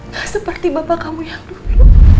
tak seperti bapak kamu yang dulu